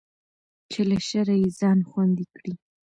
چې له شره يې ځان خوندي کړي.